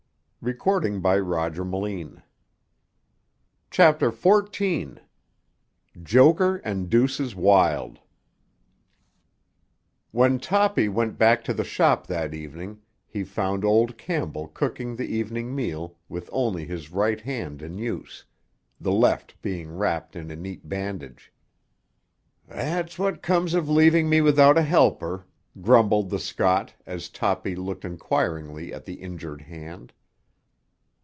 "I wonder what comes next?" CHAPTER XIV—"JOKER AND DEUCES WILD" When Toppy went back to the shop that evening he found old Campbell cooking the evening meal with only his right hand in use, the left being wrapped in a neat bandage. "That's what comes of leaving me without a helper," grumbled the Scot as Toppy looked enquiringly at the injured hand.